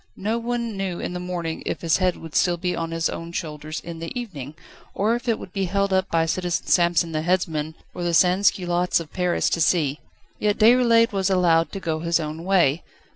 No one knew in the morning if his head would still be on his own shoulders in the evening, or if it would be held up by Citizen Samson the headsman, for the sansculottes of Paris to see. Yet Déroulède was allowed to go his own way.